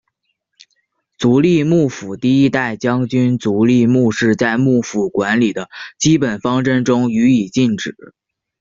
足利幕府第一代将军足利尊氏在幕府管理的基本方针中予以禁止。